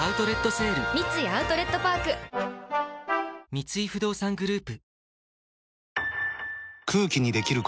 三井不動産グループ